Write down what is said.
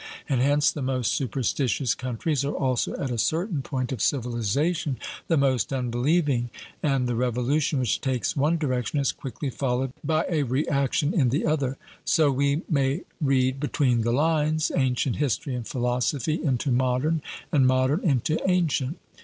And hence the most superstitious countries are also at a certain point of civilization the most unbelieving, and the revolution which takes one direction is quickly followed by a reaction in the other. So we may read 'between the lines' ancient history and philosophy into modern, and modern into ancient.